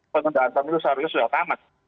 penundaan pemilu seharusnya sudah tamat